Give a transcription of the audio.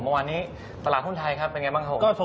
เมื่อวานนี้ตลาดหุ้นไทยครับเป็นไงบ้างครับผม